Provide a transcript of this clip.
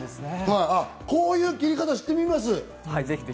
こういう切り方してみます。